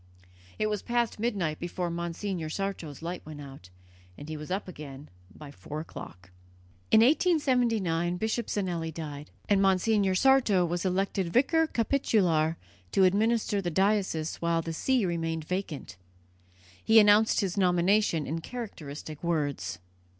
It was past midnight before Monsignor Sarto's light went out, and he was up again by four o'clock. In 1879 Bishop Zinelli died, and Monsignor Sarto was elected vicar capitular to administer the diocese while the see remained vacant. He announced his nomination in characteristic words.